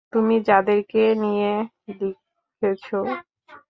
তুমি যাদেরকে নিয়ে লিখেছ।